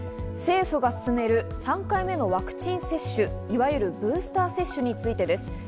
政府が進める３回目のワクチン接種、いわゆるブースター接種についてです。